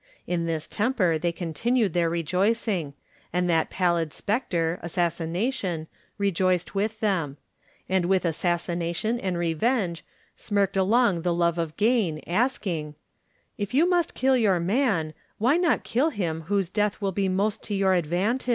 In this temper they continued their rejoicing, and that pallid specter, assassination, rejoiced with them; and with assassination and re venge smirked along the love of gain, asking: "K you must kill your man, why not kill him whose death will be most to your advantage?'